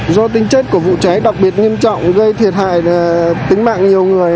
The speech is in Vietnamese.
do tính chất của vụ cháy đặc biệt nghiêm trọng gây thiệt hại tính mạng nhiều người